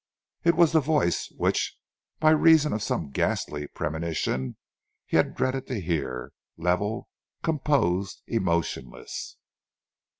It was the voice which, by reason of some ghastly premonition, he had dreaded to hear level, composed, emotionless.